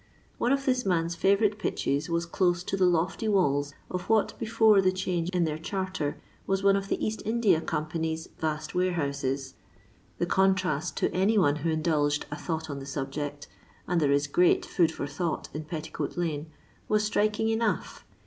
One of this man's fiiyourite pitches was close to the lofty walls of what, before the change in their charter, was one of the East India Company's vast warehouses. The contrast to any one who indulged a thought on the subject — and there is great food for thought in Petticoat lane — was striking enough.